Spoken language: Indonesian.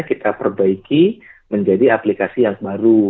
kita perbaiki menjadi aplikasi yang baru